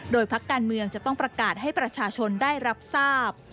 โดยพักการเมืองจะต้องประกาศให้ประชาชนได้รับทราบ